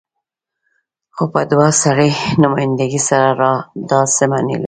خو په دوه سري نمايندګۍ سره دا څه معنی لري؟